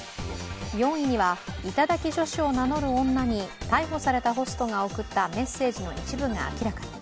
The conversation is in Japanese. ４位には頂き女子を名乗る女に逮捕されたホストが送ったメッセージの一部が明らかに。